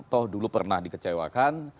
toh dulu pernah dikecewakan